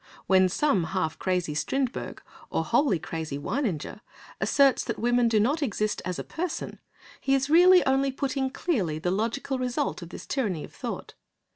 When some half crazy Strindberg or wholly crazy Weininger asserts that woman does not exist as a person, he is really only putting clearly the logical result of this tyranny of thought.